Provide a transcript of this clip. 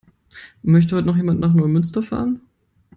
Möchte heute noch jemand nach Neumünster fahren?